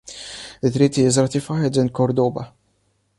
The treaty is ratified in Cordoba.